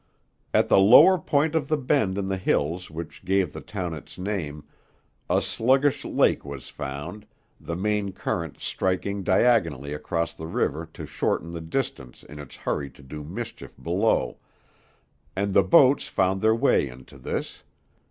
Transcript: At the lower point of the bend in the hills which gave the town its name, a sluggish lake was found, the main current striking diagonally across the river to shorten the distance in its hurry to do mischief below, and the boats found their way into this.